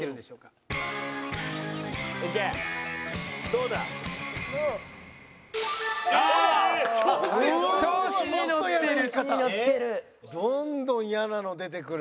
どんどん嫌なの出てくる。